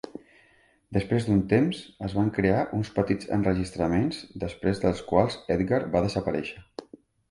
Després d'un temps, es van crear uns petits enregistraments, després dels quals Edgar va desaparèixer.